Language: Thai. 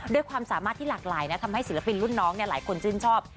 ด้วยความสามารถที่หลากหลายนะทำให้ศิลปินรุ่นน้องหลายคนชื่นชอบ